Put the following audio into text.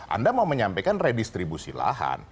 anda mau menyampaikan redistribusi lahan